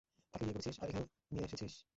তাকে বিয়ে করেছিস, আর এখানে নিয়েও এসেছিস?